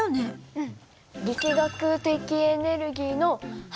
うん。